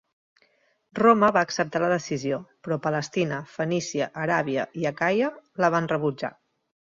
Roma va acceptar la decisió, però Palestina, Fenícia, Aràbia i Acaia la van rebutjar.